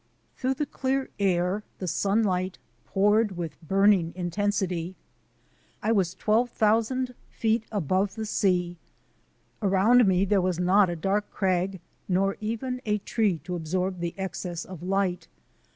Through the clear air the sunlight poured with burning intensity. I was 12,000 feet above the sea. Around me there was not a dark crag nor even a tree to absorb the excess of light.